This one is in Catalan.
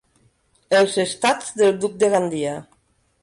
Els estats del duc de Gandia.